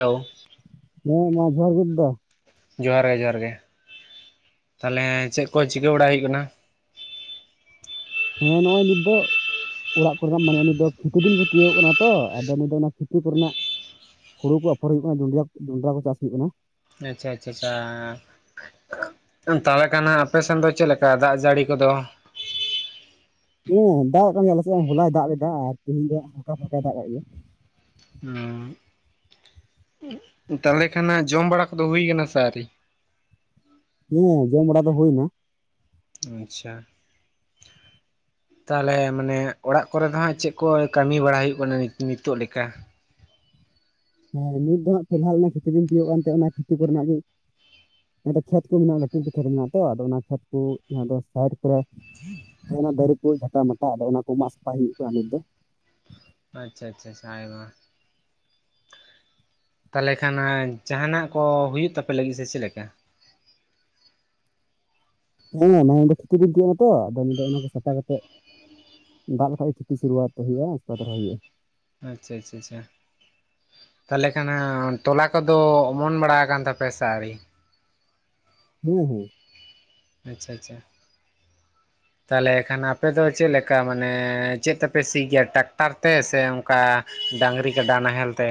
Hello. ᱦᱮᱸ ᱢᱟ ᱡᱚᱦᱟᱨ ᱜᱮ ᱫᱟ᱾ ᱡᱚᱦᱟᱨ ᱜᱮ ᱡᱚᱦᱟᱨ ᱜᱮ, ᱛᱟᱦᱚᱞᱮ ᱪᱮᱫ ᱠᱚ ᱪᱤᱠᱟᱹ ᱵᱟᱲᱟᱭ ᱦᱩᱭᱩᱜ ᱠᱟᱱᱟ? ᱦᱮᱸ ᱱᱚᱜᱚᱭ ᱱᱤᱛ ᱫᱚ ᱚᱲᱟᱜ ᱠᱚᱨᱮᱱᱟᱜ ᱢᱟᱱᱮ ᱱᱤᱛ ᱫᱚ, ᱠᱷᱮᱛᱤ ᱫᱤᱱ ᱦᱚᱭᱳᱣ ᱠᱟᱱᱟ ᱛᱚ ᱟᱫᱚ ᱚᱱᱟ ᱠᱷᱮᱛᱤ ᱠᱚᱨᱮᱱᱟᱜ ᱦᱳᱲᱩ ᱠᱚ ᱟᱯᱷᱚᱨ ᱦᱩᱭᱩᱜ ᱠᱟᱱᱟ ᱡᱚᱸᱰᱨᱟ ᱠᱚ ᱪᱟᱥ ᱦᱩᱭᱩᱜ ᱠᱟᱱᱟ᱾ ᱟᱪᱪᱷᱟ ᱟᱪᱪᱷᱟ ᱟᱪᱪᱷᱟ ᱪᱟᱻ ᱛᱟᱦᱞᱮ ᱠᱟᱱᱟ ᱟᱯᱮ ᱥᱮᱱ ᱫᱚ ᱪᱮᱫᱞᱮᱠᱟ ᱫᱟᱜ ᱡᱟᱹᱲᱤ ᱠᱚᱫᱚ? ᱦᱩᱸ ᱫᱟᱜ ᱠᱟᱱ ᱜᱮᱭᱟ ᱟᱞᱟᱥᱮᱫ ᱦᱚᱞᱟᱭ ᱫᱟᱜ ᱮᱫᱟ, ᱟᱨ ᱛᱮᱦᱮᱧ ᱫᱚ ᱦᱟᱜ ᱯᱷᱚᱸᱴᱟ ᱯᱷᱚᱸᱴᱟᱭ ᱫᱟᱜ ᱠᱮᱫ ᱜᱮᱭᱟ᱾ ᱩᱸᱜ ᱛᱟᱦᱚᱞᱮ ᱠᱷᱟᱱᱟᱜ ᱡᱚᱢ ᱵᱟᱲᱟ ᱠᱚᱫᱚ ᱦᱩᱭ ᱠᱟᱱᱟ ᱥᱮ ᱟᱣᱨᱤ? ᱦᱚᱸ ᱡᱚᱢ ᱵᱟᱲᱟ ᱫᱚ ᱦᱩᱭᱱᱟ᱾ ᱟᱪᱪᱷᱟ᱾ ᱛᱟᱦᱚᱞᱮ ᱢᱟᱱᱮ ᱚᱲᱟᱜ ᱠᱚᱨᱮ ᱫᱚ ᱦᱟᱸᱜ ᱪᱮᱫ ᱠᱚ ᱠᱟᱹᱢᱤ ᱵᱟᱲᱟ ᱦᱩᱭᱩᱜ ᱠᱟᱱᱟ ᱱᱤ ᱱᱤᱛᱚᱜ ᱞᱮᱠᱟ? ᱦᱮᱸ ᱱᱤᱛ ᱫᱚ ᱦᱟᱸᱜ [unintelligible] ᱚᱱᱟ ᱠᱷᱮᱛᱤ ᱵᱤᱱ ᱛᱤᱭᱳᱜ ᱠᱟᱱᱛᱮ ᱚᱱᱟ ᱠᱷᱮᱛᱤ ᱠᱚᱨᱮᱱᱟᱜ ᱜᱮ ᱚᱸᱰᱮ ᱠᱷᱮᱛ ᱠᱚ ᱢᱮᱱᱟᱜᱼᱟ ᱞᱟᱹᱴᱩ ᱜᱮ ᱠᱷᱮᱛ ᱢᱮᱱᱟᱜ ᱛᱚ ᱟᱫᱚ ᱚᱱᱟ ᱠᱷᱮᱛ ᱠᱚ ᱡᱟᱦᱟᱸ ᱫᱚ ᱥᱟᱭᱤᱰ ᱠᱚᱨᱮ [unintelligible] ᱚᱱᱟ ᱫᱟᱨᱮ ᱠᱚ ᱡᱷᱟᱴᱟ ᱢᱟᱴᱟ ᱟᱫᱚ ᱚᱱᱟ ᱠᱚ ᱢᱟᱜ ᱥᱟᱯᱷᱟᱭ ᱦᱩᱭᱩᱜ ᱠᱟᱱᱟᱼᱟ ᱱᱤᱛ ᱫᱚ᱾ ᱟᱪᱪᱷᱟ ᱟᱪᱪᱷᱟ, ᱟᱭᱢᱟ ᱛᱟᱦᱚᱞᱮ ᱠᱷᱟᱱ ᱡᱟᱸᱦᱟᱱᱟᱜ ᱠᱚ ᱦᱩᱭᱩᱜ ᱛᱟᱯᱮ ᱞᱟᱹᱜᱤᱫ ᱥᱮ ᱪᱮᱫ ᱞᱮᱠᱟ? ᱦᱮᱸ ᱱᱚᱣᱟ ᱫᱚ ᱛᱷᱩᱛᱤ ᱵᱤᱫᱫᱟᱹ ᱠᱟᱱᱟ ᱛᱚ ᱟᱫᱚ ᱚᱱᱟ ᱠᱚ ᱥᱟᱯᱷᱟ ᱠᱟᱛᱮᱜ ᱫᱟᱜ ᱞᱮᱠᱷᱟᱡ ᱜᱮ ᱠᱷᱤᱛᱤ ᱥᱩᱨᱣᱟᱛ ᱦᱩᱭᱩᱜ-ᱟ, ᱩᱥᱠᱮ ᱵᱟᱫ ᱨᱚᱦᱚᱭ ᱦᱩᱭᱩᱜ-ᱟ᱾ ᱟᱪᱪᱷᱟ ᱪᱷᱟ ᱪᱷᱟ᱾ ᱛᱟᱦᱚᱞᱮ ᱠᱷᱟᱱ ᱛᱚᱞᱟ ᱠᱚᱫᱚ ᱚᱢᱚᱱ ᱵᱟᱲᱟ ᱠᱟᱱ ᱛᱟᱯᱮᱭᱟ ᱥᱮ ᱟᱹᱣᱨᱤ? ᱦᱮᱸ ᱦᱮᱸ᱾ ᱟᱪᱪᱷᱟ ᱪᱷᱟ᱾ ᱛᱟᱦᱚᱞᱮ ᱠᱷᱟᱱ ᱟᱯᱮ ᱫᱚ ᱪᱮᱫ ᱞᱮᱠᱟ ᱢᱟᱱᱮ ᱪᱮᱫ ᱛᱮᱯᱮ ᱥᱤ ᱜᱮᱭᱟ? ᱴᱟᱠᱴᱟᱨ ᱛᱮ ᱥᱮ ᱚᱱᱠᱟ ᱰᱟᱹᱟᱝᱨᱤ ᱠᱟᱰᱟ ᱱᱟᱦᱮᱞ ᱛᱮ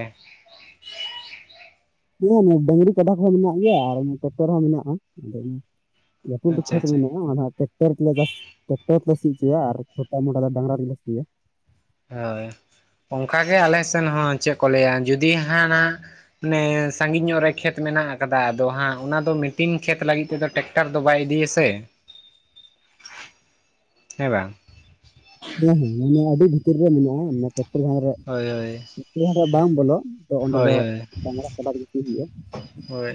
ᱧᱮᱞ ᱢᱮ ᱰᱝᱨᱤ ᱠᱟᱰᱟ ᱠᱚᱦᱚᱸ ᱢᱤᱱᱟᱜ ᱜᱮᱭᱟ ᱟᱨ ᱴᱨᱟᱠᱴᱚᱨ ᱦᱚᱸ ᱢᱤᱱᱟᱜᱼᱟ᱾ ᱞᱟᱹᱴᱩ ᱟᱪᱪᱷᱟ ᱠᱷᱮᱛ ᱟᱪᱪᱷᱟ ᱢᱮᱱᱟᱜᱼᱟ ᱚᱱᱟ ᱦᱚᱸ ᱴᱚᱠᱴᱟᱨ ᱛᱮᱞᱮ ᱪᱟᱥ ᱴᱨᱟᱠᱴᱟᱨ ᱛᱮᱞᱮ ᱥᱤᱪᱚᱭᱟ ᱟᱨ ᱪᱷᱚᱴᱟ ᱢᱚᱴᱟ ᱫᱚ ᱰᱟᱝᱨᱟ ᱛᱮᱞᱮ ᱥᱤᱭᱟ᱾ ᱦᱳᱭ, ᱚᱱᱠᱟᱜᱮ ᱟᱞᱮ ᱥᱮᱱ ᱦᱚᱸ ᱪᱮᱫ ᱠᱚ ᱞᱟᱹᱭᱟ ᱡᱩᱫᱤ ᱦᱟ ᱱᱟᱜ ᱢᱟᱱᱮ ᱥᱟᱺᱜᱤᱧ ᱧᱚᱜ ᱨᱮ ᱠᱷᱮᱛ ᱢᱮᱱᱟᱜ ᱟᱠᱟᱫᱟ, ᱟᱫᱚ ᱦᱟᱸᱜ ᱚᱱᱟ ᱫᱚ ᱢᱤᱴᱤᱱ ᱠᱷᱮᱛ ᱞᱟᱹᱜᱤᱫ ᱛᱮᱫᱚ ᱴᱮᱠ ᱴᱟᱨ ᱫᱚ ᱵᱟᱭ ᱤᱫᱤ ᱟᱥᱮ ᱦᱮᱸ ᱵᱟᱝ? ᱦᱮᱸ ᱦᱮᱸ ᱢᱟᱱᱮ ᱟᱹᱰᱤ ᱵᱷᱤᱛᱤᱨ ᱨᱮ ᱢᱮᱱᱟᱜᱼᱟ, ᱚᱱᱮ ᱴᱮᱠᱴᱚᱨ ᱡᱟᱦᱟ ᱨᱮ ᱦᱳᱭ ᱦᱳᱭ᱾ ᱡᱟᱸᱦᱟ ᱠᱚᱨᱮ ᱵᱟᱝ ᱵᱚᱞᱚᱜ ᱛᱚ ᱚᱸᱰᱮ ᱦᱳᱭ ᱫᱚ ᱦᱳᱭ ᱰᱟᱝᱨᱟ ᱠᱟᱰᱟ ᱛᱮ ᱜᱮ ᱥᱤ ᱦᱩᱭᱩᱜᱼᱟ᱾ ᱦᱳᱭ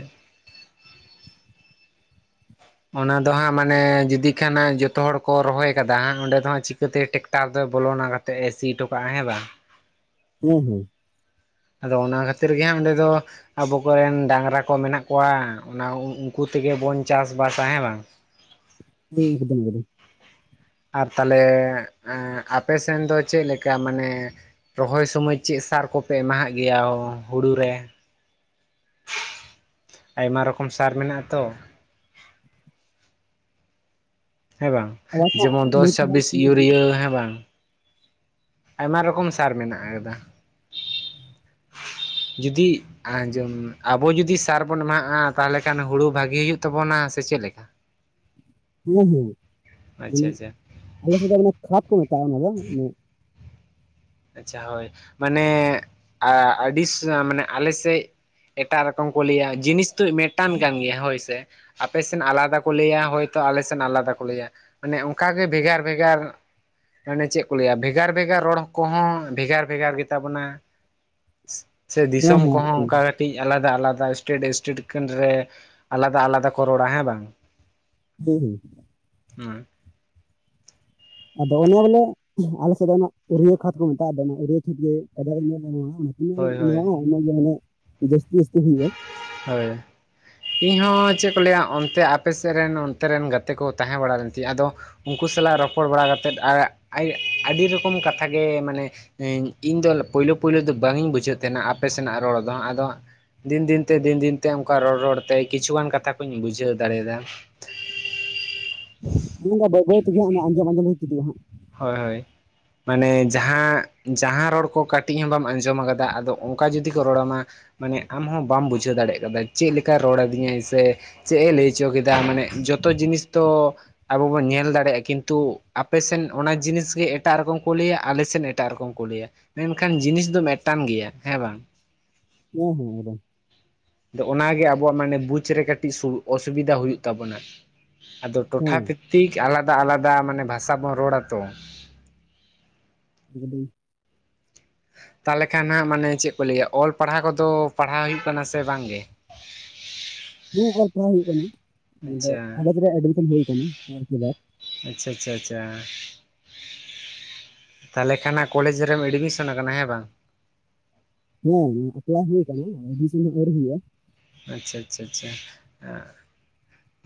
ᱚᱱᱟ ᱫᱚ ᱦᱟᱸᱜ ᱢᱟᱱᱮ ᱡᱩᱫᱤ ᱠᱷᱟᱱᱟ ᱡᱚᱛᱚ ᱦᱚᱲ ᱠᱚ ᱨᱚᱦᱚᱭ ᱠᱟᱫᱟ ᱚᱸᱰᱮ ᱫᱚ ᱦᱟᱸᱜ ᱪᱤᱠᱟᱹᱛᱮ ᱴᱮᱠᱴᱟᱨ ᱫᱚ ᱵᱚᱞᱚᱱᱟ? ᱛᱮ ᱥᱤ ᱦᱚᱴᱚᱠᱟᱜᱼᱟ, ᱦᱮ ᱵᱟᱝ᱾ ᱦᱩᱸ ᱦᱩᱸ᱾ ᱟᱫᱚ ᱚᱱᱟ ᱠᱷᱟᱹᱛᱤᱨ ᱜᱮ ᱚᱸᱰᱮ ᱫᱚ ᱟᱵᱚ ᱠᱚᱨᱮᱱ ᱰᱟᱝᱜᱽᱨᱟ ᱠᱚ ᱢᱮᱱᱟᱜ ᱠᱚᱣᱟ᱾ ᱚᱱᱟ ᱩᱱᱠᱩ ᱛᱮᱜᱮ ᱵᱚᱱ ᱪᱟᱥ ᱵᱟᱥᱟᱼᱟ, ᱦᱮᱸ ᱵᱟᱝ? ᱦᱩᱸ ᱮᱠᱫᱚᱢ ᱮᱠᱫᱚᱢ᱾ ᱟᱨ ᱛᱟᱦᱞᱮ ᱟᱯᱮ ᱥᱮᱱ ᱫᱚ ᱪᱮᱫ ᱞᱮᱠᱟ ᱢᱟᱱᱮ ᱨᱚᱦᱚᱭ ᱥᱚᱢᱚᱭ ᱪᱮᱫ ᱥᱟᱨ ᱠᱚᱯᱮ ᱮᱢᱟᱦᱟᱜ ᱜᱮᱭᱟ, ᱦᱩᱲᱩ ᱨᱮ? ᱟᱭᱢᱟ ᱨᱚᱠᱚᱢ ᱥᱟᱨ ᱢᱮᱱᱟᱜᱼᱟ ᱛᱚ᱾ ᱦᱮᱸ ᱵᱟᱝ ᱟᱵᱟᱨ ᱡᱮᱢᱚᱱ ᱢᱚᱡᱽ ᱫᱚᱥ ᱛᱮ ᱵᱟᱝ ᱪᱷᱟᱵᱤᱥ ᱥᱤ ᱤᱭᱩᱨᱤᱭᱟ ᱦᱮᱸ ᱵᱟᱝ? ᱟᱭᱢᱟ ᱨᱚᱠᱚᱢ ᱥᱟᱨ ᱢᱮᱱᱟᱜ ᱟᱠᱟᱫᱟ᱾ ᱡᱩᱫᱤ ᱟᱸᱡᱚᱢ ᱟᱵᱚ ᱡᱩᱫᱤ ᱥᱟᱨ ᱵᱚᱱ ᱮᱢᱟᱜᱼᱟ, ᱛᱟᱦᱚᱞᱮ ᱠᱷᱟᱱ ᱦᱩᱲᱩ ᱵᱷᱟᱹᱜᱤ ᱦᱩᱭᱩᱜ ᱛᱟᱵᱚᱱᱟ ᱥᱮ ᱪᱮᱫ ᱞᱮᱠᱟᱻ [unintelligible] ᱟᱪᱪᱷᱟ ᱟᱪᱪᱷᱟ ᱟᱞᱮ ᱥᱮᱫ ᱫᱚ ᱚᱱᱟ ᱠᱷᱚᱛ ᱠᱚ ᱢᱮᱛᱟᱜᱼᱟ᱾ ᱚᱱᱟ ᱫᱚ ᱟᱪᱪᱷᱟ ᱦᱳᱭ ᱢᱟᱱᱮ ᱟᱹᱰᱤ ᱢᱟᱱᱮ ᱟᱞᱮ ᱥᱮᱫ ᱮᱴᱟᱜ ᱨᱚᱠᱚᱢ ᱠᱚ ᱞᱟᱹᱭᱟ, ᱡᱤᱱᱤᱥ ᱛᱚ ᱢᱮᱫᱴᱟᱱ ᱠᱟᱱ ᱜᱮᱭᱟ ᱦᱳᱭ ᱥᱮ᱾ ᱟᱯᱮ ᱥᱮᱱ ᱟᱞᱟᱫᱟ ᱠᱚ ᱞᱟᱹᱭᱼᱟ, ᱦᱳᱭᱛᱚ ᱟᱞᱮᱥᱮᱫ ᱟᱞᱟᱫᱟ ᱠᱚ ᱞᱟᱹᱭᱼᱟ᱾ ᱢᱟᱱᱮ ᱚᱱᱠᱟ ᱜᱮ ᱵᱷᱮᱜᱟᱨ ᱵᱷᱮᱜᱟᱨ ᱢᱟᱱᱮ ᱪᱮᱫ ᱠᱚ ᱞᱟᱹᱭᱟ ᱵᱷᱮᱜᱟᱨ ᱵᱷᱮᱜᱟᱨ ᱨᱚᱲ ᱠᱚᱦᱚᱸ ᱵᱷᱮᱜᱟᱨ ᱵᱷᱮᱜᱟᱨ ᱜᱮᱛᱟ ᱵᱚᱱᱟ ᱥᱮ ᱦᱮᱸ ᱫᱤᱥᱚᱢ ᱠᱚᱦᱚᱸ ᱦᱮᱸ ᱚᱱᱠᱟ ᱠᱟᱹᱴᱤᱡ ᱟᱞᱟᱫᱟ ᱟᱞᱟᱫᱟ ᱮᱥᱴᱮᱴ ᱮᱥᱴᱮᱴ ᱨᱮ ᱟᱞᱟᱫᱟ ᱟᱞᱟᱫᱟ ᱠᱚ ᱨᱚᱲᱟ ᱦᱮᱸ ᱵᱟᱝ? [inaudible] ᱦᱩᱸ᱾ ᱟᱫᱚ ᱚᱱᱟ ᱵᱚᱞᱮ ᱟᱞᱮ ᱮᱥᱮᱫ ᱫᱚ ᱚᱱᱟ ᱨᱩᱭᱟᱹ ᱠᱷᱟᱛ ᱠᱚ ᱢᱮᱛᱟᱜᱼᱟ, ᱫᱚᱢᱮ [unintelligible] ᱦᱳᱭ ᱦᱳᱭ ᱧᱟᱢᱚᱜᱼᱟ, ᱚᱱᱟ ᱫᱚ ᱢᱟᱱᱮ ᱡᱟᱹᱥᱛᱤ ᱡᱟᱹᱥᱛᱤ ᱦᱩᱭᱩᱜᱼᱟ᱾ ᱦᱳᱭ᱾ ᱤᱧᱦᱚᱸ ᱪᱮᱫ ᱠᱚ ᱞᱟᱹᱭᱼᱟ, ᱚᱱᱛᱮ ᱟᱯᱮ ᱥᱮᱫ ᱨᱮᱱ ᱚᱱᱛᱮ ᱨᱮᱱ ᱜᱟᱛᱮ ᱠᱚ ᱛᱟᱦᱮᱸ ᱵᱟᱲᱟ ᱞᱮᱱ ᱛᱤᱧᱟᱹ᱾ ᱟᱫᱚ ᱩᱱᱠᱩ ᱥᱟᱞᱟᱜ ᱨᱚᱯᱚᱲ ᱵᱟᱲᱟ ᱠᱟᱛᱮᱫ ᱟᱨ ᱟᱹᱰᱤ ᱨᱚᱠᱚᱢ ᱠᱟᱛᱷᱟ ᱜᱮ ᱢᱟᱱᱮ [unintelligible] ᱤᱧ ᱫᱚ ᱯᱳᱭᱞᱳ ᱯᱳᱭᱞᱳ ᱫᱚ ᱵᱟᱝ ᱤᱧ ᱵᱩᱡᱷᱟᱹᱣ ᱛᱟᱦᱮᱱᱟ ᱟᱯᱮ ᱥᱮᱱᱟᱜ ᱨᱚᱲ ᱫᱚ ᱦᱟᱜ᱾ ᱟᱫᱚ ᱫᱤᱱ ᱫᱤᱱ ᱫᱤᱱ ᱫᱤᱱ ᱛᱮ ᱚᱱᱠᱟ ᱨᱚᱲ ᱨᱚᱲ ᱛᱮ ᱠᱤᱪᱷᱩ ᱜᱟᱱ ᱠᱟᱛᱷᱟ ᱠᱚᱧ ᱵᱩᱡᱷᱟᱹᱣ ᱫᱟᱲᱮᱭᱟᱫᱟ᱾ [inaudible] ᱵᱟᱹᱭ ᱵᱟᱹᱭ ᱛᱤᱜᱮ ᱦᱟᱸᱜ ᱟᱸᱡᱚᱢ ᱟᱸᱡᱚᱢ ᱦᱟᱸᱜ ᱦᱳᱭ ᱦᱳᱭ᱾ ᱢᱟᱱᱮ ᱡᱟᱦᱟᱸ ᱡᱟᱦᱟᱸ ᱨᱚᱲ ᱠᱚ ᱠᱟᱹᱴᱤᱡ ᱦᱚᱸ ᱵᱟᱢ ᱟᱸᱡᱚᱢ ᱠᱟᱫᱟ, ᱟᱫᱚ ᱚᱱᱠᱟ ᱡᱩᱫᱤ ᱠᱚ ᱨᱚᱲᱟᱢᱟ ᱢᱟᱱᱮ ᱟᱢᱦᱚᱸ ᱵᱟᱢ ᱵᱩᱡᱷᱟᱹᱣ ᱫᱟᱲᱮᱭᱟᱜ ᱠᱟᱫᱟ᱾ ᱪᱮᱫᱠᱟᱭ ᱨᱚᱲ ᱟᱹᱫᱤᱧᱟᱭ ᱥᱮ? ᱪᱮᱫ ᱮ ᱞᱟᱹᱭ ᱦᱚᱪᱚ ᱠᱮᱫᱟ? ᱢᱟᱱᱮ ᱡᱚᱛᱚ ᱡᱤᱱᱤᱥ ᱫᱚ ᱟᱵᱚ ᱵᱚᱱ ᱧᱮᱞ ᱫᱟᱲᱮᱭᱟᱜᱼᱟ, ᱠᱤᱱᱛᱩ ᱟᱯᱮᱥᱮᱫ ᱚᱱᱟ ᱡᱤᱱᱤᱥ ᱜᱮ ᱮᱴᱟᱜ ᱨᱚᱠᱚᱢ ᱠᱚ ᱞᱟᱹᱭᱟ᱾ ᱟᱞᱮᱥᱮᱱ ᱮᱴᱟᱜ ᱨᱚᱠᱚᱢ ᱠᱚ ᱞᱟᱹᱭᱟ᱾ ᱢᱮᱱᱠᱷᱟᱱ ᱡᱤᱱᱤᱥ ᱫᱚ ᱢᱤᱫᱴᱟᱝ ᱜᱮᱭᱟ ᱦᱮᱸ ᱵᱟᱝ᱾ ᱦᱩᱸ ᱦᱩᱸ ᱮᱠᱫᱚᱢ᱾ ᱟᱫᱚ ᱚᱱᱟ ᱜᱮ ᱟᱵᱚᱣᱟᱜ ᱢᱟᱱᱮ ᱵᱩᱡ ᱨᱮ ᱠᱟᱹᱴᱤᱡ ᱚᱥᱩᱵᱤᱫᱟ ᱦᱩᱭᱩᱜ ᱛᱟᱵᱚᱱᱟ᱾ ᱟᱫᱚ ᱴᱚᱴᱷᱟ ᱫᱷᱤᱠ ᱟᱞᱟᱫᱟ ᱟᱞᱟᱫᱟ ᱢᱟᱱᱮ ᱵᱷᱟᱥᱟ ᱵᱚᱱ ᱨᱚᱲᱟ ᱛᱚ᱾ ᱦᱮᱞᱳ! ᱛᱟᱦᱚᱞᱮ ᱠᱷᱟᱱ ᱦᱟᱸᱜ ᱢᱟᱱᱮ ᱪᱮᱫ ᱠᱚ ᱞᱟᱹᱭᱟ ᱚᱞ ᱯᱟᱲᱦᱟᱣ ᱠᱚᱫᱚ ᱯᱟᱲᱦᱟᱣ ᱦᱩᱭᱩᱜ ᱠᱟᱱᱟ ᱥᱮ ᱵᱟᱝ ᱜᱮ? ᱦᱮᱸ ᱚᱞ ᱯᱟᱲᱦᱟᱣ ᱦᱩᱭᱩᱜ ᱠᱟᱱᱟ᱾ ᱟᱫᱚ ᱟᱪᱪᱷᱟ ᱠᱚᱞᱮᱡ ᱨᱮ ᱮᱰᱢᱤᱥᱚᱱ ᱦᱩᱭ ᱟᱠᱟᱱᱟ᱾ ᱟᱨᱠᱤ [unintelligible] ᱟᱪᱪᱷᱟ ᱟᱪᱪᱷᱟ ᱟᱪᱪᱷᱟ᱾ ᱛᱟᱞᱚᱞᱮ ᱠᱷᱟᱱ ᱠᱚᱞᱮᱡᱽ ᱨᱮᱢ ᱮᱰᱢᱤᱥᱚᱱ ᱠᱟᱱᱟ ᱦᱮᱸ ᱵᱟᱝ? ᱦᱮᱸ ᱮᱯᱞᱟᱭ ᱦᱩᱭ ᱟᱠᱟᱱᱟ, ᱮᱵᱢᱤᱥᱚᱱ ᱫᱚ ᱟᱣᱨᱤ ᱦᱩᱭᱩᱜᱼᱟ᱾ ᱟᱪᱪᱷᱟ ᱟᱪᱪᱷᱟ ᱪᱷᱟ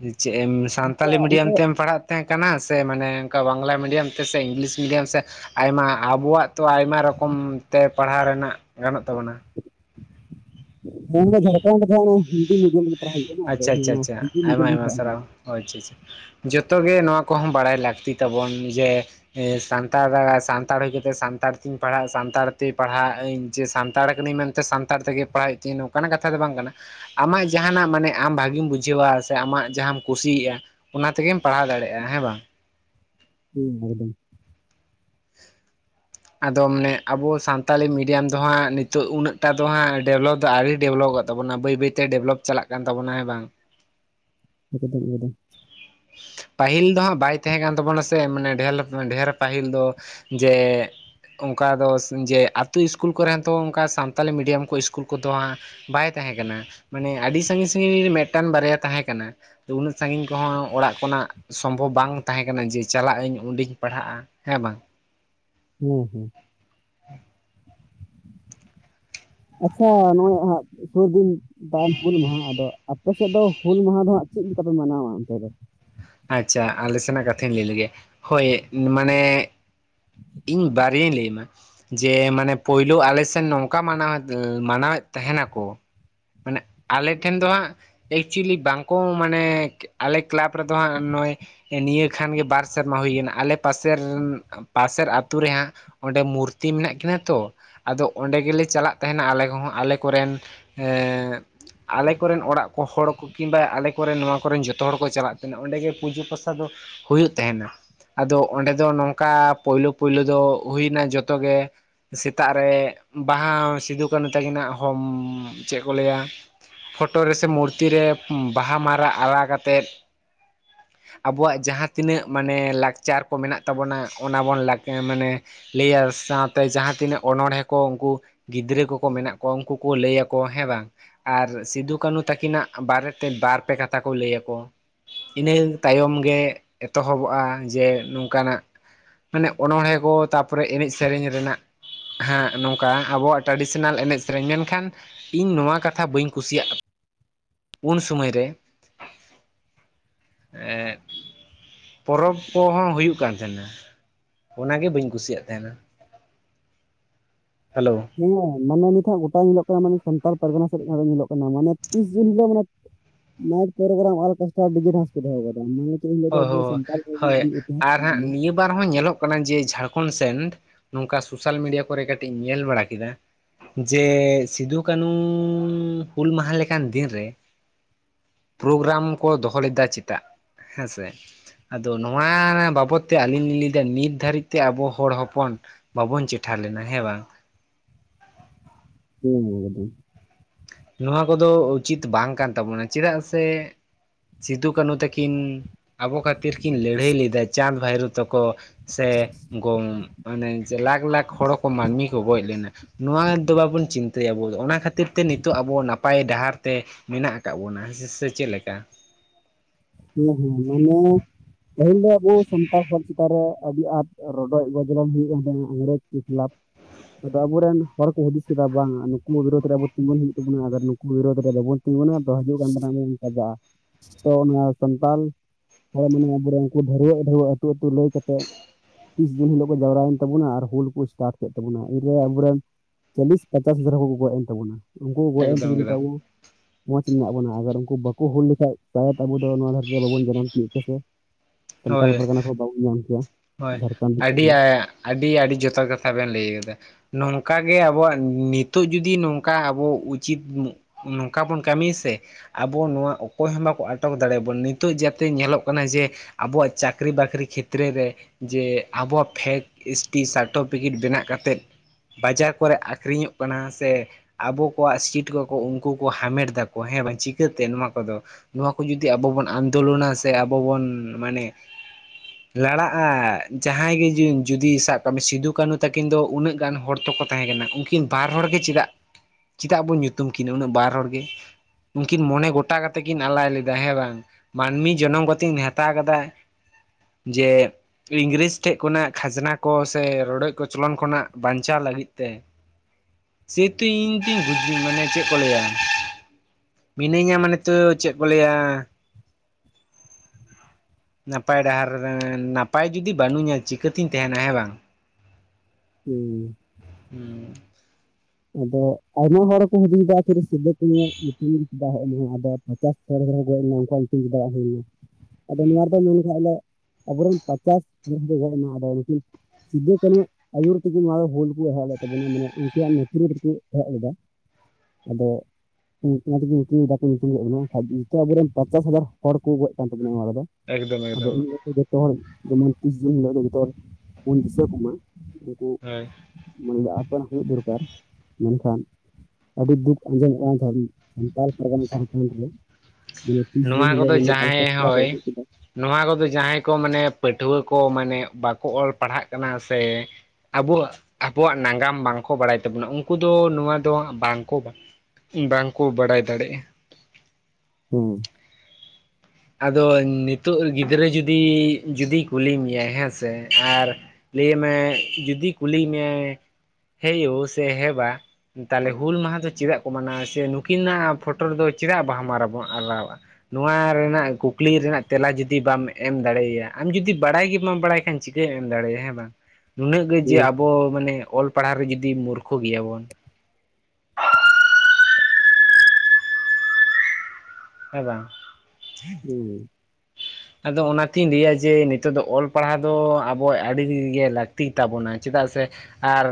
ᱟᱸ ᱪᱮᱜ ᱮᱢ ᱥᱟᱱᱛᱟᱞᱤ ᱢᱤᱰᱤᱭᱟᱢ ᱚᱱᱛᱮ ᱛᱮᱢ ᱯᱟᱲᱦᱟᱜ ᱛᱟᱦᱮᱸ ᱠᱟᱱᱟ ᱥᱮ ᱢᱟᱱᱮ ᱚᱸᱠᱟ ᱵᱟᱸᱜᱽᱞᱟ ᱢᱤᱰᱤᱭᱟᱢ ᱛᱮ ᱥᱮ ᱤᱸᱜᱽᱞᱤᱥ ᱢᱤᱰᱤᱭᱟᱢ ᱥᱮ ᱟᱭᱢᱟ ᱟᱵᱚᱣᱟᱜ ᱛᱚ ᱟᱭᱢᱟ ᱨᱚᱠᱚᱢ ᱛᱮ ᱯᱟᱲᱦᱟᱣ ᱨᱮᱱᱟᱜ ᱜᱟᱱᱚᱜ ᱛᱟᱵᱚᱱᱟ᱾ [inaudible] ᱢᱮᱱ ᱫᱚ ᱡᱟᱨᱠᱷᱟᱱᱰ ᱫᱚ ᱦᱟᱸᱜ ᱦᱤᱱᱫᱤ ᱢᱤᱵᱭᱟᱢ [unintelligible] ᱯᱟᱲᱦᱟᱣ ᱦᱩᱭᱩᱜᱼᱟ, ᱟᱫᱚ [unintelligible] ᱱᱚᱣᱟ ᱦᱤᱸᱫᱤ ᱢᱤᱰᱤᱭᱟᱢ ᱜᱮ ᱯᱟᱲᱦᱟᱣ ᱦᱩᱭᱩᱜ ᱚᱭ ᱪᱷᱟ ᱟᱪᱪᱷᱟ ᱡᱚᱛᱚ ᱜᱮ ᱱᱚᱣᱟ ᱠᱚᱦᱚᱸ ᱵᱟᱲᱟᱭ ᱞᱟᱹᱠᱛᱤ ᱛᱟᱵᱚᱱ ᱡᱮ ᱮᱸ ᱥᱟᱱᱛᱟᱨᱟ ᱥᱟᱱᱛᱟᱲ ᱦᱩᱭ ᱠᱟᱛᱮ ᱥᱟᱱᱛᱟᱲ ᱛᱤᱧ ᱯᱟᱲᱦᱟᱜᱼᱟ, ᱥᱟᱱᱛᱟᱲ ᱛᱮ ᱯᱟᱲᱦᱟᱜ ᱟᱹᱧ ᱪᱮ ᱥᱟᱱᱛᱟᱲ ᱠᱟᱹᱱᱟᱹᱧ ᱢᱮᱱ ᱛᱮ ᱥᱟᱱᱛᱟᱲ ᱛᱮᱜᱮ ᱯᱟᱲᱦᱟᱜ ᱦᱩᱭᱩᱜ ᱛᱤᱧᱟᱹ ᱱᱚᱝᱠᱟᱱᱟᱜ ᱠᱟᱛᱷᱟ ᱫᱚ ᱵᱟᱝ ᱠᱟᱱᱟ, ᱟᱢᱟᱜ ᱡᱟᱦᱟᱸᱱᱟᱜ ᱢᱟᱱᱮ ᱟᱢ ᱵᱷᱟᱜᱤᱢ ᱵᱩᱡᱷᱟᱹᱣᱟ ᱥᱮ ᱟᱢᱟᱜ ᱡᱟᱦᱟᱸᱢ ᱠᱩᱥᱤᱭᱟᱜᱼᱟ ᱚᱱᱟ ᱛᱮᱜᱮᱢ ᱯᱟᱲᱦᱟᱣ ᱫᱟᱲᱮᱭᱟᱜᱼᱟ ᱦᱮᱸ ᱵᱟᱝ? [unintelligible] ᱟᱫᱚ ᱢᱟᱱᱮ ᱟᱵᱚ ᱥᱟᱱᱛᱟᱞᱤ ᱢᱤᱰᱤᱭᱟᱢ ᱫᱚ ᱦᱟᱸᱜ ᱱᱤᱛᱚᱜ ᱩᱱᱟᱹᱜ ᱴᱟᱜ ᱫᱚ ᱦᱟᱸᱜ ᱰᱮᱵᱽᱞᱚᱯ ᱫᱚ ᱟᱹᱣᱨᱤ ᱰᱮᱵᱽᱞᱚᱜᱚᱫ ᱛᱟᱵᱚᱱᱟ ᱵᱟᱹᱭ ᱵᱟᱹᱭ ᱛᱮ ᱰᱮᱵᱽᱞᱚᱯ ᱪᱟᱞᱟᱜ ᱠᱟᱱ ᱛᱟᱵᱚᱱᱟ ᱦᱮᱸ ᱵᱟᱝ? ᱮᱠᱫᱚᱢ ᱮᱫᱚ, ᱯᱟᱹᱦᱤᱞ ᱫᱚ ᱦᱟᱸᱜ ᱵᱟᱭ ᱛᱟᱦᱮᱸ ᱠᱟᱱ ᱛᱟᱵᱚᱱᱟ ᱥᱮ ᱢᱟᱱᱮ ᱰᱷᱮᱞᱚᱯ ᱰᱷᱮᱨ ᱯᱟᱹᱦᱤᱞ ᱫᱚ, ᱡᱮᱻᱜ ᱚᱸᱠᱟ ᱫᱚ ᱥᱮ ᱡᱮ ᱟᱸᱛᱩ ᱤᱥᱠᱩᱞ ᱠᱚᱨᱮ ᱦᱚᱸᱛᱚ ᱚᱸᱠᱟ ᱥᱟᱱᱛᱟᱞᱤ ᱢᱤᱰᱤᱭᱟᱢ ᱠᱚ ᱤᱥᱠᱩᱞ ᱠᱚᱫᱚ ᱦᱟᱸᱜ ᱵᱟᱭ ᱛᱟᱦᱮᱸ ᱠᱟᱱᱟ, ᱢᱟᱱᱮ ᱟᱹᱰᱤ ᱥᱟᱺᱜᱤᱧ ᱥᱟᱺᱜᱤᱧ ᱨᱤᱧ ᱢᱤᱫᱴᱟᱱ ᱵᱟᱨᱭᱟ ᱛᱟᱦᱮᱸ ᱠᱟᱱᱟ, ᱫᱚ ᱩᱱᱟᱹᱜ ᱥᱟᱺᱜᱤᱧ ᱠᱚᱦᱚᱸ ᱚᱲᱟᱜ ᱠᱷᱚᱱᱟᱜ ᱥᱚᱢᱵᱷᱚᱵ ᱵᱟᱝ ᱛᱟᱦᱮᱸ ᱠᱟᱱᱟ ᱡᱮ, ᱪᱟᱞᱟᱜ ᱟᱹᱧ ᱚᱸᱰᱤᱧ ᱯᱟᱲᱦᱟᱜᱼᱟ, ᱦᱮᱸ ᱵᱟᱝ? ᱦᱩᱸ ᱦᱩᱸ᱾ ᱟᱪᱪᱷᱟ ᱱᱚᱜᱼᱚᱭ ᱦᱟᱸᱜ ᱥᱩᱨ ᱫᱤᱱ, ᱫᱟᱱ ᱦᱩᱞ ᱢᱟᱦᱟ ᱟᱫᱚ ᱟᱯᱮ ᱥᱮᱫ ᱫᱚ ᱦᱩᱞ ᱢᱟᱦᱟ ᱫᱚ ᱦᱟᱸᱜ ᱪᱮᱫ ᱞᱮᱠᱟ ᱯᱮ ᱢᱟᱱᱟᱣᱟ ᱚᱱᱛᱮ ᱫᱚ? ᱟᱪᱪᱷᱟ, ᱟᱞᱮ ᱥᱮᱱᱟᱜ ᱠᱟᱛᱷᱟᱧ ᱞᱟᱹᱭ ᱞᱮᱜᱮ, ᱦᱳᱭ ᱢᱟᱱᱮ ᱤᱧ ᱵᱟᱨᱭᱟᱹᱧ ᱞᱟᱹᱭ ᱟᱢᱟ, ᱡᱮ ᱢᱟᱱᱮ ᱯᱩᱭᱞᱳ ᱟᱞᱮ ᱥᱮᱱ ᱱᱚᱝᱠᱟ ᱢᱟᱱᱟᱣᱦᱮᱫ ᱮᱸ ᱢᱟᱱᱟᱣᱮᱫ ᱛᱟᱦᱮᱸ ᱱᱟᱠᱚ ᱢᱟᱱᱮᱜ ᱟᱞᱮ ᱴᱷᱮᱱ ᱫᱚ ᱦᱟᱸᱜ ᱮᱠ ᱪᱩᱞᱤ ᱵᱟᱝᱠᱚ ᱢᱟᱱᱮᱻᱠ ᱟᱞᱮ ᱠᱮᱞᱟᱯ ᱨᱮᱫᱚ ᱦᱟᱸᱜ ᱱᱚᱜᱼᱚᱭ ᱮᱸ ᱱᱤᱭᱟᱹ ᱠᱷᱟᱱ ᱜᱮ ᱵᱟᱨ ᱥᱮᱨᱢᱟ ᱦᱩᱭ ᱮᱱᱟ, ᱟᱞᱮ ᱯᱟᱥᱮ ᱨᱤᱱ ᱯᱟᱥᱮᱨ ᱟᱛᱩ ᱨᱮ ᱦᱟᱸᱜ ᱚᱸᱰᱮ ᱢᱩᱨᱛᱤ ᱢᱮᱱᱟᱜ ᱠᱤᱱᱟ ᱛᱚ, ᱟᱫᱚ ᱚᱸᱰᱮ ᱜᱮᱞᱮ ᱪᱟᱞᱟᱜ ᱛᱟᱦᱮᱸᱱᱟ ᱟᱞᱮ ᱠᱚᱦᱚᱸ ᱟᱞᱮ ᱠᱚᱨᱮᱱ ᱮᱸ ᱟᱞᱮ ᱠᱚᱨᱮᱱ ᱚᱲᱟᱜ ᱠᱚ ᱦᱚᱲ ᱠᱚ ᱠᱤᱢ ᱵᱟᱭ ᱟᱞᱮ ᱠᱚᱨᱮᱱ ᱱᱚᱣᱟ ᱠᱚᱨᱮᱱ ᱡᱚᱛᱚ ᱦᱚᱲ ᱠᱚ ᱪᱟᱞᱟᱜ ᱛᱟᱦᱮᱸᱱᱟ ᱚᱸᱰᱮ ᱜᱮ ᱯᱩᱡᱟᱹ ᱯᱟᱥᱟ ᱫᱚ ᱦᱩᱭᱩᱜ ᱛᱟᱦᱮᱸᱱᱟ᱾ ᱟᱫᱚ ᱚᱸᱰᱮ ᱫᱚ ᱱᱚᱝᱠᱟ ᱯᱳᱭᱞᱚ ᱯᱩᱭᱞᱩ ᱫᱚ ᱦᱩᱭᱮᱱᱟ ᱡᱚᱛᱚ ᱜᱮ, ᱥᱮᱛᱟᱜ ᱨᱮᱻᱮᱜ ᱵᱟᱦᱟ ᱦᱚᱸ ᱥᱤᱫᱩ ᱠᱟᱹᱱᱦᱩ ᱛᱟᱹᱠᱤᱱᱟᱜ ᱦᱚᱸᱻᱢ ᱪᱮᱫ ᱠᱚ ᱞᱟᱹᱭᱟ? ᱯᱷᱳᱴᱳ ᱨᱮ ᱥᱮ ᱢᱩᱨᱛᱤ ᱨᱮᱻᱯ ᱵᱟᱦᱟ ᱢᱟᱨᱟ ᱟᱨᱟᱣ ᱠᱟᱛᱮᱫ ᱟᱵᱚᱣᱟᱜ ᱡᱟᱦᱟᱸ ᱛᱤᱱᱟᱹᱜ ᱢᱟᱱᱮ ᱞᱟᱠᱪᱟᱨ ᱠᱚ ᱢᱮᱱᱟᱜ ᱛᱟᱵᱚᱱᱟᱜ ᱚᱱᱟ ᱵᱚᱱ ᱞᱟᱠ ᱢᱟᱱᱮ ᱞᱟᱹᱭᱟ ᱥᱟᱶᱛᱮ ᱡᱟᱦᱟᱸ ᱛᱤᱱᱟᱹᱜ ᱚᱱᱚᱬᱦᱮᱸ ᱠᱚ ᱩᱸᱠᱩ ᱜᱤᱫᱽᱨᱟᱹ ᱠᱚᱠᱚ ᱢᱮᱱᱟᱜ ᱠᱚᱣᱟ ᱩᱸᱠᱩ ᱠᱚ ᱞᱟᱹᱭ ᱟᱠᱚᱣᱟ, ᱦᱮᱸ ᱵᱟᱝ? ᱟᱨ ᱥᱤᱫᱩ ᱠᱟᱹᱱᱦᱩ ᱛᱟᱹᱠᱤᱱᱟᱜ ᱵᱟᱨᱮᱛᱮ ᱵᱟᱨ ᱯᱮ ᱠᱟᱛᱟ ᱠᱚ ᱞᱟᱹᱭ ᱟᱠᱚᱣᱟ᱾ ᱤᱱᱟᱹᱝ ᱛᱟᱭᱚᱢ ᱜᱮ ᱮᱛᱚᱦᱚᱵᱚᱜᱼᱟ ᱡᱮ ᱱᱚᱝᱠᱟᱱᱟᱜ ᱢᱟᱱᱮ ᱚᱱᱚᱲᱦᱮᱸ ᱠᱚ ᱛᱟᱯᱚᱨᱮ ᱮᱱᱮᱡ ᱥᱮᱨᱮᱧ ᱨᱮᱱᱟᱜ, ᱦᱮᱸᱜ ᱱᱚᱝᱠᱟ ᱟᱵᱚᱣᱟᱜ ᱴᱟᱨᱟᱰᱤᱥᱮᱱᱟᱞ ᱮᱱᱮᱡ ᱥᱮᱨᱮᱧ ᱢᱮᱱᱠᱷᱟᱱ ᱤᱧ ᱱᱚᱣᱟ ᱠᱟᱛᱷᱟ ᱵᱟᱹᱧ ᱠᱩᱥᱤᱭᱟᱜ ᱩᱱ ᱥᱚᱢᱚᱭ ᱨᱮ, ᱮᱸᱻᱫ ᱯᱚᱨᱚᱵᱽ ᱠᱚᱦᱚᱸ ᱦᱩᱭᱩᱜ ᱠᱟᱱ ᱛᱟᱦᱮᱸᱱᱟ, ᱚᱱᱟ ᱜᱮ ᱵᱟᱹᱧ ᱠᱩᱥᱤᱭᱟᱜ ᱛᱟᱦᱮᱸᱱᱟ, ᱦᱮᱞᱳ? ᱦᱮᱸ ᱢᱟᱱᱮ ᱱᱤᱛᱦᱟᱸᱜ ᱜᱚᱴᱟ ᱧᱮᱞᱚᱜ ᱠᱟᱱᱟ ᱢᱟᱱᱮ ᱥᱟᱸᱛᱟᱨ ᱯᱟᱨᱜᱟᱱᱟ ᱥᱮᱫ ᱱᱚᱣᱟ ᱫᱚ ᱧᱮᱞᱚᱜ ᱠᱟᱱᱟ, ᱢᱟᱱᱮ ᱛᱤᱥ ᱡᱩᱱ ᱦᱤᱞᱚᱜ ᱢᱟᱱᱮ ᱱᱟᱭᱤᱴ ᱯᱨᱳᱜᱨᱟᱢ ᱟᱞᱮ ᱯᱟᱥᱴᱟ ᱰᱤᱡᱮ ᱰᱟᱱᱥ ᱠᱚ ᱫᱚᱦᱚ ᱟᱠᱟᱫᱟ ᱢᱟᱱᱮᱼᱼ ᱡ ᱦᱳᱭ ᱵ ᱥᱟᱱᱛᱟᱞ ᱦᱟᱥ [unintelligible] ᱢᱤᱫ ᱵᱟᱨ ᱦᱚᱸ ᱧᱮᱞᱚᱜ ᱠᱟᱱᱟ ᱡᱮ ᱡᱷᱟᱲᱠᱷᱚᱸᱰ ᱥᱮᱱᱫᱷ ᱱᱚᱝᱠᱟ ᱥᱳᱥᱟᱞ ᱢᱤᱰᱤᱭᱟ ᱠᱚᱨᱮ ᱠᱟᱹᱴᱤᱡᱤᱧ ᱧᱮᱞ ᱵᱟᱲᱟ ᱠᱮᱫᱟᱼᱼ ᱡᱮ ᱥᱤᱫᱩ ᱠᱟᱹᱱᱩ ᱦᱩᱞ ᱢᱟᱦᱟ ᱞᱮᱠᱟᱱ ᱫᱤᱱ ᱨᱮᱼᱼ ᱯᱨᱳᱜᱨᱟᱢ ᱠᱚ ᱫᱚᱦᱚ ᱞᱮᱫᱟ ᱪᱮᱫᱟᱜ ᱦᱮᱸᱥᱮ ᱾ ᱟᱫᱚ ᱱᱚᱣᱟ ᱵᱟᱵᱚᱫ ᱛᱮ ᱟᱹᱞᱤᱧ ᱞᱤᱧ ᱞᱟᱹᱭᱫᱟ ᱱᱤᱛ ᱫᱷᱟᱹᱨᱤᱡ ᱛᱮ ᱟᱵᱚ ᱦᱚᱲ ᱦᱚᱯᱚᱱᱼᱼ ᱵᱟᱵᱚᱱ ᱪᱮᱴᱷᱟ ᱞᱮᱱᱟ ᱦᱮᱸ ᱵᱟᱝ ᱾ ᱦᱮᱸ ᱮᱠᱫᱚᱢ ᱱᱚᱣᱟ ᱠᱚᱫᱚ ᱩᱪᱤᱛ ᱵᱟᱝ ᱠᱟᱱ ᱛᱟᱵᱚᱱᱟ ᱪᱮᱫᱟᱜ ᱥᱮᱼᱼ ᱥᱤᱫᱩ ᱠᱟᱹᱱᱦᱩ ᱛᱟᱹᱠᱤᱱᱼᱼ ᱟᱵᱚ ᱠᱷᱟᱹᱛᱤᱨ ᱠᱤᱱ ᱞᱟᱹᱲᱦᱟᱹᱭ ᱞᱮᱫᱟ ᱪᱟᱸᱫᱽ ᱵᱷᱟᱭᱨᱳ ᱛᱟᱠᱚ ᱥᱮ ᱜᱚᱢᱼᱼ ᱢᱟᱱᱮ ᱡᱮ ᱞᱟᱠᱷ ᱞᱟᱠᱷ ᱦᱚᱲ ᱠᱚ ᱢᱟᱹᱱᱢᱤ ᱠᱚ ᱜᱚᱡ ᱞᱮᱱᱟ ᱾ ᱱᱚᱣᱟ ᱫᱚ ᱵᱟᱵᱚᱱ ᱪᱤᱱᱛᱟᱹᱭᱟ ᱟᱵᱚ ᱫᱚ ᱚᱱᱟ ᱠᱷᱟᱹᱛᱤᱨ ᱛᱮ ᱱᱤᱛᱼᱼ ᱛᱚᱜ ᱟᱵᱚ ᱱᱟᱯᱟᱭ ᱰᱟᱦᱟᱨ ᱛᱮ ᱢᱮᱱᱟᱜ ᱟᱠᱟᱜ ᱵᱚᱱᱟ ᱾ ᱦᱮᱸᱥᱮ ᱪᱮᱜᱞᱮᱠᱟ? ᱦᱮᱸ ᱦᱮᱸ ᱢᱟᱱᱮ ᱯᱟᱹᱦᱤᱞ ᱫᱚ ᱟᱵᱚ ᱥᱟᱱᱛᱟᱲ ᱦᱚᱲ ᱪᱮᱛᱟᱱ ᱨᱮ ᱟᱹᱰᱤ ᱟᱴᱼᱼ ᱨᱚᱰᱚᱡ ᱵᱚᱡᱚᱞᱚᱱ ᱦᱩᱭᱩᱜ ᱠᱟᱱ ᱛᱟᱦᱮᱸᱱᱟ ᱤᱝᱨᱮᱡᱽ ᱠᱤ ᱠᱷᱤᱞᱟᱯ ᱾ ᱟᱫᱚ ᱟᱵᱚᱨᱮᱱ ᱦᱚᱲ ᱠᱚ ᱦᱩᱫᱤᱥ ᱠᱮᱫᱟ ᱵᱟᱝᱟ ᱱᱩᱠᱩ ᱦᱚᱸ ᱵᱤᱨᱩᱫᱷ ᱨᱮ ᱟᱵᱚ ᱛᱤᱜᱩᱱ ᱦᱩᱭᱩᱜ ᱛᱟᱵᱚᱱᱟ ᱟᱜᱟᱨ ᱱᱩᱼᱼ ᱵᱤᱨᱳᱫᱷ ᱨᱮ ᱵᱟᱵᱚᱱ ᱛᱤᱸᱜᱩᱱᱟ ᱦᱤᱡᱩᱜ [unintelligible] ᱠᱟᱱ ᱵᱚᱱ ᱠᱟᱡᱟᱜᱼᱟ, ᱛᱚ ᱚᱱᱟᱼᱺ ᱥᱟᱱᱛᱟᱞ, ᱦᱚᱲ ᱢᱮᱱᱟ ᱟᱵᱚ ᱨᱮᱱ ᱩᱱᱠᱩ ᱰᱷᱟᱨᱤᱭᱟᱹᱜ ᱚᱰᱚᱠ ᱟᱹᱛᱩ ᱟᱹᱛᱩ ᱞᱟᱹᱭ ᱠᱟᱛᱮᱫᱼᱼ ᱛᱤᱥ ᱡᱩᱱ ᱦᱤᱞᱳᱜ ᱠᱚ ᱡᱟᱣᱨᱟᱭᱮᱱ ᱛᱟᱵᱚᱱᱟ ᱟᱨ ᱦᱩᱞ ᱠᱚ ᱥᱴᱟᱨᱴ ᱠᱮᱫ ᱛᱟᱵᱚᱱᱟ ᱩᱱᱨᱮ ᱟᱵᱚᱨᱮᱱᱼᱼ ᱪᱚᱞᱞᱤᱥ ᱯᱚᱪᱟᱥ ᱫᱷᱟᱨᱟ ᱦᱚᱲ ᱠᱚ ᱜᱚᱡ ᱮᱱ ᱛᱟᱵᱚᱱᱟ ᱾ ᱩᱱᱠᱩ ᱜᱚᱡ ᱮᱱ ᱮᱠᱫᱚᱢ ᱛᱮᱜᱮ ᱱᱤᱛᱚᱜ ᱮᱠᱫᱚᱢ ᱟᱵᱚᱱ ᱢᱚᱸᱡᱽ ᱢᱮᱱᱟᱜ ᱵᱚᱱᱟ, ᱟᱜᱟᱨ ᱩᱱᱠᱩ ᱵᱟᱠᱚ ᱦᱩᱞ ᱞᱮᱱᱠᱷᱟᱡ ᱥ [unintelligible] ᱟᱵᱚ [unintelligible] ᱛᱚ ᱱᱚᱣᱟ ᱫᱷᱟᱨᱮᱛᱤ ᱫᱚ ᱵᱟᱵᱚᱱ ᱡᱟᱱᱟᱢ ᱠᱮᱛᱮᱜ, ᱥᱮ ᱥᱟᱱᱛᱟᱞ ᱯᱟᱨᱜᱟᱱᱟ ᱠᱚᱦᱚ ᱵᱟᱵᱚᱱ ᱧᱟᱢ ᱠᱮᱭᱟ ᱾ ᱦᱚᱭ ᱟᱹᱰᱤᱭᱟ ᱟᱹᱰᱤ ᱟᱹᱰᱤ ᱡᱚᱛᱷᱟᱛ ᱠᱟᱛᱷᱟ ᱵᱮᱱ ᱞᱟᱹᱭ ᱟᱠᱟᱫᱟ ᱾ ᱱᱚᱝᱠᱟᱜᱮ ᱟᱵᱚᱣᱟᱜ ᱱᱤᱛᱚᱜ ᱡᱩᱫᱤ ᱱᱚᱝᱠᱟ ᱟᱵᱚ ᱩᱪᱤᱛᱼᱼ ᱱᱚᱝᱠᱟ ᱵᱚᱱ ᱠᱟᱹᱢᱤᱭᱟ ᱥᱮᱼᱼ ᱟᱫᱚ ᱱᱚᱣᱟ ᱚᱠᱚᱭ ᱦᱚᱸ ᱵᱟᱠᱚ ᱟᱴᱚᱠ ᱫᱟᱲᱮᱭᱟᱵᱚᱱ ᱱᱤᱛᱚᱜ ᱡᱟᱛᱮ ᱧᱮᱞᱚᱜ ᱠᱟᱱᱟ ᱡᱮᱼᱼ ᱟᱵᱚᱣᱟᱜ ᱪᱟᱹᱠᱨᱤ ᱵᱟᱹᱠᱨᱤ ᱠᱷᱮᱛᱮᱨᱮ ᱨᱮᱼᱼ ᱡᱮ ᱟᱵᱚᱣᱟᱜ ᱯᱷᱮᱠ ᱮᱥ ᱴᱤ ᱥᱟᱨᱴᱚᱯᱤᱠᱮᱴ ᱵᱮᱱᱟᱜ ᱠᱟᱛᱮᱫᱼᱼ ᱞᱟᱡᱟᱣ ᱯᱟᱲᱟ ᱟᱹᱠᱷᱨᱤᱧᱚᱜ ᱠᱟᱱᱟ ᱥᱮᱼᱼ ᱟᱵᱚ ᱠᱚᱣᱟᱜ ᱥᱤᱴ ᱠᱚᱠᱚ ᱩᱱᱠᱩ ᱠᱚ ᱦᱟᱢᱮᱴ ᱫᱟᱠᱚ ᱦᱮᱸ ᱵᱟᱝ ᱪᱤᱠᱟᱹᱛᱮ ᱱᱚᱣᱟ ᱠᱚᱫᱚ ᱾ ᱱᱚᱣᱟ ᱠᱚ ᱡᱩᱫᱤ ᱟᱵᱚ ᱵᱚᱱ ᱟᱱᱫᱳᱞᱚᱱᱟ ᱥᱮ, ᱟᱵᱚ ᱵᱚᱱ ᱢᱟᱱᱮ ᱞᱟᱲᱟᱜᱼᱼ ᱟᱸ ᱡᱟᱦᱟᱸᱭ ᱜᱮ ᱡᱩᱫᱤ ᱥᱟᱵ ᱠᱟᱜ ᱢᱮ ᱥᱤᱫᱩ ᱠᱟᱹᱱᱩ ᱛᱟᱹᱠᱤᱱ ᱫᱚ ᱩᱱᱟᱹᱜ ᱜᱟᱱ ᱦᱚᱲ ᱛᱚᱠᱚ ᱛᱟᱦᱮᱸ ᱠᱟᱱᱟ ᱾ ᱩᱱᱠᱤᱱ ᱵᱟᱨ ᱦᱚᱲᱜᱮ ᱪᱮᱫᱟᱜ ᱪᱮᱫᱟᱜ ᱵᱚᱱ ᱧᱩᱛᱩᱢ ᱠᱤᱱᱟ ᱩᱱᱟᱹᱜ ᱵᱟᱨ ᱦᱚᱲᱜᱮ ᱾ ᱩᱱᱠᱤᱱ ᱢᱚᱱᱮ ᱜᱚᱴᱟ ᱠᱟᱛᱮ ᱠᱤᱱ ᱟᱞᱟᱭ ᱞᱮᱫᱟ ᱦᱮᱸ ᱵᱟᱝ ᱾ ᱢᱟᱹᱱᱢᱤ ᱡᱚᱱᱚᱢ ᱠᱟᱛᱮᱤᱧ ᱱᱮᱦᱛᱟ ᱠᱟᱫᱟ ᱡᱮᱼᱼ ᱤᱝᱨᱮᱡᱽ ᱴᱷᱮᱡ ᱠᱷᱚᱱᱟᱜ ᱠᱷᱟᱡᱽᱱᱟ ᱠᱚ ᱥᱮ ᱨᱚᱰᱚᱡ ᱠᱚᱪᱚᱞᱚᱱ ᱠᱷᱚᱱᱟᱜ ᱵᱟᱧᱪᱟᱣ ᱞᱟᱹᱜᱤᱫ ᱛᱮᱼᱼ ᱥᱮᱛᱩ ᱤᱧ ᱛᱩᱧ ᱵᱩᱡᱽ ᱢᱟᱱᱮ ᱪᱮᱫ ᱠᱚ ᱞᱟᱹᱭᱟ ᱾ ᱢᱤᱱᱟᱹᱧᱟ ᱢᱟᱱᱮ ᱛᱚ ᱪᱮᱫ ᱠᱚ ᱞᱟᱹᱭᱟᱼᱼ ᱱᱟᱯᱟᱭ ᱰᱟᱦᱟᱨ ᱨᱮᱸ ᱱᱟᱯᱟᱭ ᱡᱩᱫᱤ ᱵᱟᱹᱱᱩᱜᱤᱧᱟ ᱪᱤᱠᱟᱹᱛᱤᱧ ᱛᱟᱦᱮᱱᱟ ᱦᱮᱸ ᱵᱟᱝ ᱾ ᱦᱩᱸ ᱦᱩᱸ ᱟᱫᱚ ᱟᱭᱢᱟ ᱦᱚᱲᱠᱚ ᱦᱩᱫᱤᱧᱮᱫᱟ ᱥᱤᱫᱩ ᱠᱟᱹᱱᱩ ᱦᱟᱸᱜ ᱧᱩᱛᱩᱢ ᱪᱤᱠᱟᱹ ᱦᱮᱡ ᱮᱱᱟ ᱟᱫᱚᱼᱼ ᱯᱚᱪᱟᱥ ᱪᱷᱚᱲ ᱦᱚᱲ ᱨᱮᱠᱚ ᱜᱚᱡ ᱮᱱᱟ ᱚᱱᱠᱟᱜ ᱧᱩᱛᱩᱢ ᱪᱮᱫᱟᱜ ᱵᱟᱝ ᱦᱩᱭ ᱞᱮᱱᱟ ᱾ ᱟᱫᱚ ᱱᱚᱣᱟ ᱨᱮᱫᱚ ᱢᱮᱱᱠᱷᱟᱱ ᱟᱵᱚᱨᱮᱱ ᱯᱟᱪᱟᱥ ᱜᱚᱡ ᱮᱱᱟ ᱟᱫᱚ ᱩᱱᱠᱤᱱᱼᱼ ᱥᱤᱫᱩ ᱠᱟᱹᱱᱩ ᱟᱹᱭᱩᱨ ᱛᱮᱜᱮ ᱢᱟ ᱦᱩᱞ ᱠᱚ ᱮᱦᱚᱵ ᱞᱮᱫ ᱛᱟᱵᱚᱱᱟ ᱾ᱢᱟᱱᱮ ᱩᱱᱠᱩᱣᱟᱼᱜ ᱛᱩᱨ ᱨᱮᱠᱚ ᱟᱜ ᱞᱮᱫᱟ ᱟᱫᱚᱼᱼ [inaudible] ᱚᱱᱟᱤ ᱧᱩᱛᱩᱢ ᱫᱟᱠᱚ ᱠᱚ ᱧᱩᱛᱩᱢ ᱠᱮᱫᱮᱫ ᱵᱚᱱᱟ ᱡᱚᱛᱚ [unintelligible] ᱟᱵᱚᱨᱮᱱ ᱯᱚᱪᱟᱥ ᱦᱟᱡᱟᱨ ᱦᱚᱲ ᱠᱚ ᱜᱚᱡ ᱠᱟᱱ ᱛᱟᱵᱚᱱᱟ ᱱᱚᱣᱟ ᱨᱮᱫᱚ ᱮᱠᱫᱚᱢ ᱟᱫᱚ ᱮᱠᱫᱚᱢ ᱤᱧ ᱫᱚ ᱡᱚᱛᱚ ᱦᱚᱲ ᱡᱮᱢᱚᱱ ᱛᱤᱥ ᱡᱩᱱ ᱦᱤᱞᱳᱜ ᱫᱚ ᱡᱚᱛᱚ ᱦᱚᱲ ᱵᱚᱱ ᱫᱤᱥᱟᱹ ᱠᱚᱢᱟ ᱩᱱᱠᱩ ᱦᱚᱭ ᱢᱟᱱᱮ ᱟᱴ [inaudible] ᱦᱩᱭᱩᱜ ᱫᱚᱨᱠᱟᱨ ᱢᱮᱱᱠᱷᱟᱱ, ᱟᱹᱰᱤ ᱫᱩᱠ ᱟᱸᱡᱚᱢᱚᱜᱼᱟ᱾ ᱡᱟᱦᱟᱸ ᱥᱟᱱᱛᱟᱞ ᱯᱟᱨᱜᱟᱱᱟ ᱡᱷᱟᱲᱠᱷᱚᱸᱰ ᱨᱮ ᱜᱩᱨᱩ ᱛᱤᱥᱡᱩᱱ ᱱᱚᱣᱟ ᱠᱚᱫᱚ ᱦᱤᱞᱚᱜ ᱡᱟᱦᱟᱸᱭ ᱟᱞᱠᱟᱴᱨᱟ [inaudible] ᱦᱳᱭ ᱱᱚᱣᱟ ᱠᱚᱫᱚ ᱡᱟᱦᱟᱸᱭ ᱠᱚ ᱢᱟᱱᱮ ᱯᱟᱹᱴᱷᱩᱣᱟᱹ ᱠᱚ ᱢᱟᱱᱮ ᱵᱟᱠᱚ ᱚᱞ ᱯᱟᱲᱦᱟᱜ ᱠᱟᱱᱟ ᱥᱮᱼᱼ ᱟᱵᱚ ᱟᱵᱚᱣᱟᱜ ᱱᱟᱸᱜᱟᱢ ᱵᱟᱝᱠᱚ ᱵᱟᱲᱟᱭ ᱛᱟᱵᱚᱱᱟ ᱩᱱᱠᱩ ᱫᱚ ᱱᱚᱣᱟ ᱫᱚ ᱵᱟᱝᱼᱠᱚ ᱚᱸ ᱵᱟᱝᱼᱠᱚ ᱵᱟᱲᱟᱭ ᱫᱟᱲᱮᱜᱼᱟ᱾ ᱦᱩᱸ ᱾ ᱟᱫᱚ ᱱᱤᱛᱚᱜ ᱜᱤᱫᱽᱨᱟᱹ ᱡᱩᱫᱤ ᱡᱩᱫᱤᱭ ᱠᱩᱞᱤ ᱢᱮᱭᱟᱭ ᱦᱮᱸ ᱥᱮ ᱟᱨᱼᱼ ᱞᱟᱹᱭ ᱢᱟ ᱡᱩᱫᱤ ᱠᱩᱞᱤᱢᱮᱭᱟ ᱦᱮᱭᱳ ᱥᱮ ᱦᱮᱵᱟ᱾ ᱛᱟᱦᱞᱮ ᱦᱩᱞ ᱢᱟᱦᱟ ᱫᱚ ᱪᱮᱫᱟᱜ ᱠᱚ ᱢᱟᱱᱟᱣᱟ ᱥᱮ ᱱᱩᱠᱤᱱᱟᱜ ᱯᱷᱳᱴᱳ ᱨᱮᱫᱚ ᱪᱮᱫᱟᱜ ᱵᱟᱦᱟ ᱢᱟᱨᱟ ᱵᱚᱱ ᱟᱨᱟᱣᱼᱟ᱾ ᱱᱚᱣᱟ ᱨᱮᱱᱟᱜ᱾ ᱠᱩᱠᱞᱤ ᱨᱮᱱᱟᱜ ᱛᱮᱞᱟ ᱡᱩᱫᱤ ᱵᱟᱢ ᱮᱢ ᱫᱟᱲᱮᱭᱟᱭᱟ ᱟᱢ ᱡᱩᱫᱤ ᱵᱟᱲᱟᱭ ᱜᱮ ᱵᱟᱢ ᱵᱟᱲᱟᱭ ᱠᱷᱟᱱ ᱪᱤᱠᱟᱹᱢ ᱮᱢ ᱫᱟᱲᱮᱭᱟᱭᱟ ᱦᱮᱸ ᱵᱟᱝ? ᱱᱩᱱᱟᱹᱜ ᱜᱮ ᱦᱮᱸ ᱡᱮ ᱟᱵᱚ ᱢᱟᱱᱮ ᱚᱞ ᱯᱟᱲᱦᱟᱣ ᱨᱮ ᱡᱩᱫᱤ ᱢᱩᱨᱠᱷᱚ ᱜᱮᱭᱟ ᱵᱚᱱ᱾ ᱠᱷᱟᱸ ᱵᱟᱝ ᱦᱩᱸ [unintelligible] ᱟᱫᱚ ᱚᱱᱟᱛᱮᱧ ᱞᱟᱹᱭᱟ ᱡᱮ ᱱᱤᱛᱚᱜ ᱫᱚ ᱚᱞ ᱯᱟᱲᱦᱟᱣ ᱫᱚ ᱟᱵᱚ ᱟᱹᱰᱤᱜᱮ ᱞᱟᱹᱠᱛᱤ, ᱛᱟᱵᱚᱱᱟ ᱪᱮᱫᱟᱜ ᱥᱮᱼᱼ ᱟᱨ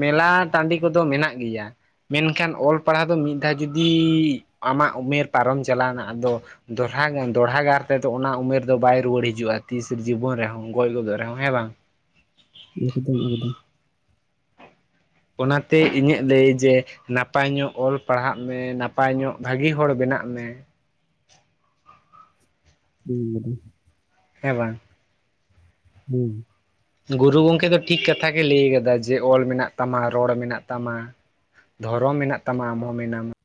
ᱢᱮᱞᱟ ᱴᱟᱹᱰᱤ ᱠᱚᱫᱚ ᱢᱮᱱᱟᱜ ᱜᱮᱭᱟ᱾ ᱢᱮᱱ ᱠᱷᱟᱱ ᱚᱞ ᱯᱟᱲᱦᱟᱣ ᱫᱚ ᱢᱤᱫ ᱫᱷᱟᱣ ᱡᱩᱫᱤ ᱟᱢᱟᱜ ᱩᱢᱮᱨ ᱯᱟᱨᱚᱢ ᱪᱟᱞᱟᱣᱱᱟ ᱟᱫᱚ᱾ ᱫᱚᱬᱦᱟ ᱜᱮᱢ ᱫᱚᱲᱦᱟ ᱜᱟᱨ ᱛᱮᱫᱚ ᱚᱱᱟ ᱩᱢᱮᱨ ᱫᱚ ᱵᱟᱭ ᱨᱩᱣᱟᱹᱲ ᱦᱤᱡᱩᱜᱼᱟ ᱛᱤᱥ ᱡᱤᱵᱚᱱ ᱨᱮᱦᱚᱸ ᱜᱚᱡ ᱜᱚᱫᱚᱜ ᱨᱮᱦᱚᱸ ᱦᱮᱸ ᱵᱟᱝ? ᱮᱠᱫᱚᱢ ᱮᱠᱫᱚᱢ ᱚᱱᱟᱛᱮ ᱤᱧᱟᱹᱜ ᱞᱟᱹᱭ ᱡᱮᱼᱼ ᱱᱟᱯᱟᱭ ᱧᱚᱜ ᱚᱞ ᱯᱟᱲᱦᱟᱜ ᱢᱮ ᱱᱟᱯᱟᱭ ᱧᱚᱜ ᱵᱷᱟᱹᱜᱤ ᱦᱚᱲ ᱵᱮᱱᱟᱜ ᱢᱮ ᱦᱩᱸ ᱦᱮᱸ ᱵᱟᱝ ᱦᱩᱸ ᱜᱩᱨᱩ ᱜᱚᱢᱠᱮ ᱫᱚ ᱴᱷᱤᱠ ᱠᱟᱛᱷᱟ ᱜᱮ ᱞᱟᱹᱭ ᱠᱟᱫᱟ ᱡᱮ ᱚᱞ ᱢᱮᱱᱟᱜ ᱛᱟᱢᱟ ᱨᱚᱲ ᱢᱮᱱᱟᱜ ᱛᱟᱢᱟ᱾ ᱫᱷᱚᱨᱚᱢ ᱢᱮᱱᱟᱜ ᱛᱟᱢᱟ ᱟᱢᱦᱚᱸ ᱢᱮᱱᱟᱢ᱾